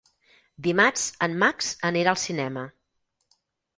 Dimarts en Max anirà al cinema.